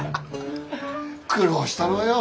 苦労したのはよ